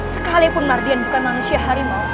sekalipun mardian bukan manusia harimau